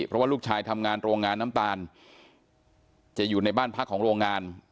เพราะว่าลูกชายทำงานโรงงานน้ำตาลจะอยู่ในบ้านพักของโรงงาน